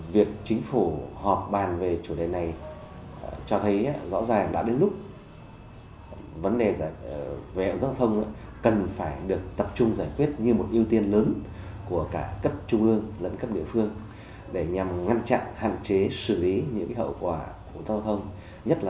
việc chính phủ họp bàn về chủ đề này cho thấy rõ ràng đã đến lúc vấn đề về giao thông cần phải được tập trung giải quyết như một ưu tiên lớn của cả cấp trung ương lẫn cấp địa phương để nhằm ngăn chặn hạn chế xử lý những hậu quả của giao thông nhất là